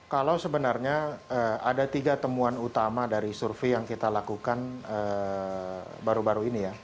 kalau sebenarnya ada tiga temuan utama dari survei yang kita lakukan baru baru ini ya